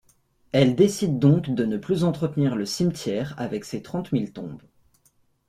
Elles décident donc de ne plus entretenir le cimetière avec ses trente mille tombes.